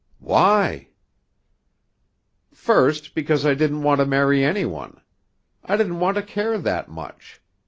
"Why?" "First, because I didn't want to marry any one; I didn't want to care that much.